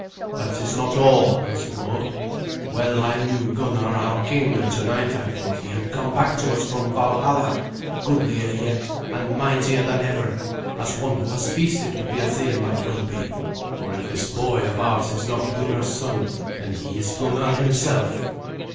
"That is not all," answered Mord. "Well I knew Gunnar, our king, and tonight I thought he had come back to us from Valhalla, goodlier yet and mightier than ever, as one who has feasted with the Asir might well be. For if this boy of ours is not Gunnar's son, then he is Gunnar himself."